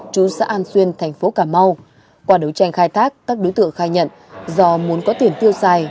chú xã an xuyên thành phố cà mau qua đấu tranh khai thác các đối tượng khai nhận do muốn có tiền tiêu xài